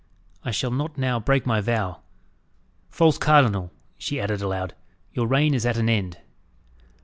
"I shall not now break my vow. False cardinal," she added aloud, "your reign is at an end."